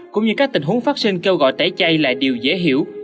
cũng như các tình huống phát sinh kêu gọi tẩy chay là điều dễ hiểu